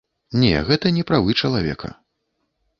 Не, гэта не правы чалавека.